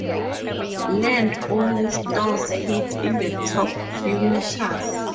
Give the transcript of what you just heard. Land only stores heat in the top few meters.